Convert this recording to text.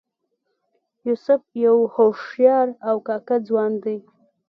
یوسف یو هوښیار او کاکه ځوان دی.